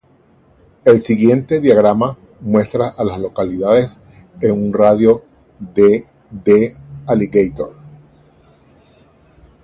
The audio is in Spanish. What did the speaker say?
El siguiente diagrama muestra a las localidades en un radio de de Alligator.